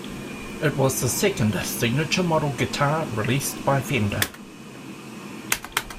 It was the second signature model guitar released by Fender.